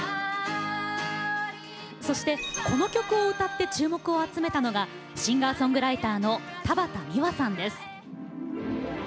そしてこの曲を歌って注目を集めたのがシンガーソングライターの田畑実和さんです。